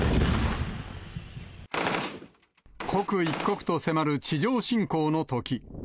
刻一刻と迫る地上侵攻の時。